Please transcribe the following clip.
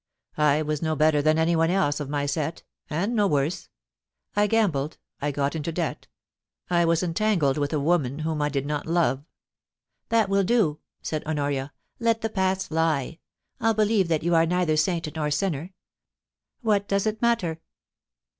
I was no better than anyone else of my set — and no worse. I gambled — I got into debt — I was entangled with a woman whom I did not love. ...' 268 POLICY AND PASSION. * That will do/ said Honoria. * Let the past lie. I'll be lieve that you are neither saint nor sinner. What does it matter?